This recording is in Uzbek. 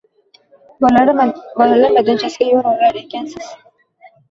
Bolalar maydonchasiga yo‘l olar ekansiz